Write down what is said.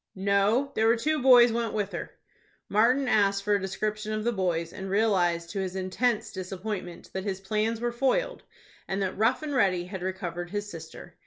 "No; there were two boys went with her." Martin asked for a description of the boys, and realized to his intense disappointment that his plans were foiled, and that Rough and Ready had recovered his sister.